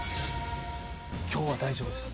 今日は大丈夫です。